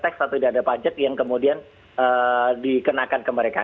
tapi kemudian tidak ada teks atau tidak ada pajak yang kemudian dikenakan ke mereka